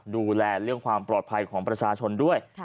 ดูแลเรื่องความปลอดภัยของประชาชนด้วย